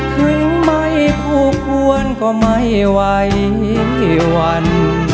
ถึงไม่พูดควรก็ไม่ไหวกี่วัน